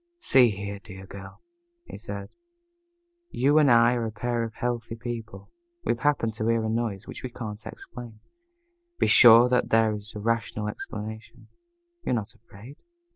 "See here, dear girl," he said, "you and I are a pair of healthy people. We have happened to hear a noise which we can't explain. Be sure that there is rational explanation. You're not afraid?"